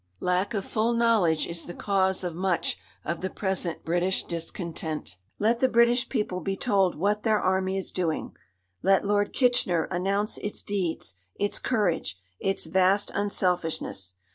Lack of full knowledge is the cause of much of the present British discontent. Let the British people be told what their army is doing. Let Lord Kitchener announce its deeds, its courage, its vast unselfishness.